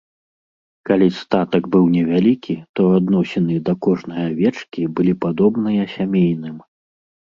Калі статак быў невялікі, то адносіны да кожнай авечкі былі падобныя сямейным.